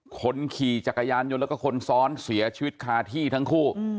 คนขี่จักรยานยนต์แล้วก็คนซ้อนเสียชีวิตคาที่ทั้งคู่